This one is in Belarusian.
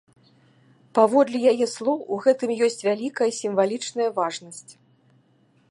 Паводле яе слоў, у гэтым ёсць вялікая сімвалічная важнасць.